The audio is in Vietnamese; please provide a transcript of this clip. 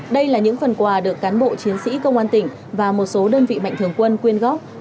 đây là những phần quà được cán bộ chiến sĩ công an tỉnh và một số đơn vị mạnh thường quân quyên góp